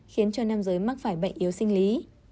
khiến cho nam giới mắc phải bệnh yếu sinh lý